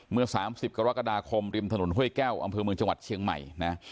เมื่อ๓๐กรกฎาคมริมถนนห้วยแก้วอำเภอเมืองจังหวัดเชียงใหม่นะ